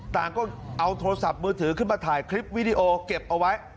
ต่างก็เอาโทรศัพท์มือถือขึ้นมาถ่ายคลิปวิดีโอเก็บเอาไว้